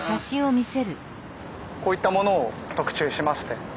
こういったものを特注しまして。